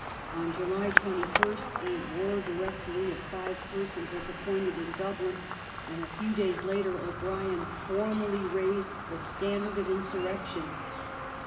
On July 21st a " War Directory " of five persons was appointed in Dublin, and a few days later O'Brien formally raised the standard of insurrection.